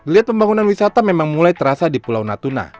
lihat pembangunan wisata memang mulai terasa di pulau natuna